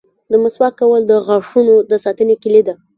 • د مسواک کول د غاښونو د ساتنې کلي ده.